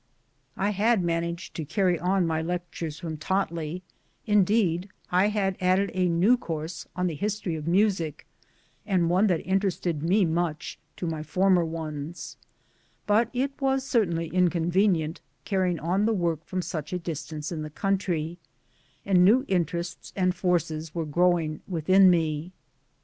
I had managed to carry on my lectures from Totley ' indeed I had added a new course, on the " History of Music," and one that interested me much, to my former ones ; but it was certainly inconvenient, carry ing on the work from such a distance in the country ; and new interests and forces were growing within me.